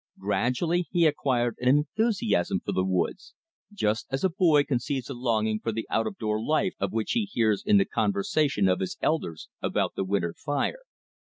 Gradually he acquired an enthusiasm for the woods, just as a boy conceives a longing for the out of door life of which he hears in the conversation of his elders about the winter fire.